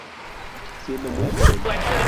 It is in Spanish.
Siendo muy joven.